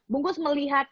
bungkus melihat itu